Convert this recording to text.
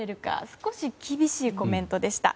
少し厳しいコメントでした。